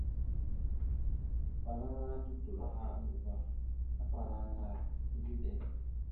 Afalaŋana tudola aha andəva, tapala aŋgar, tile eɗek.